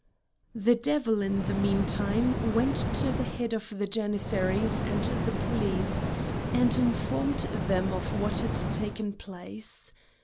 The devil in the meantime went to the head of the Janissaries and the police, and informed them of what had taken place.